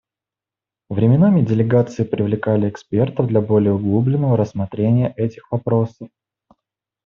Временами делегации привлекали экспертов для более углубленного рассмотрения этих вопросов.